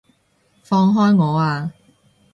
放開我啊！